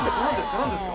何ですか？